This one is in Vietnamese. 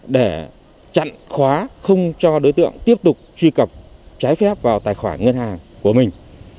để chặn khóa không cho đối tượng tiếp tục truy cập trái phép vào tài khoản ngân hàng của mình